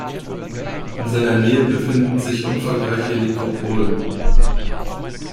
In seiner Nähe befinden sich umfangreiche Nekropolen.